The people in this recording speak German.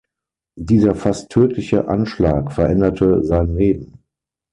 Dieser fast tödliche Anschlag veränderte sein Leben.